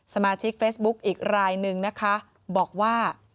สมาชิกเฟซบุ๊กอีกรายนึงนะคะบอกว่า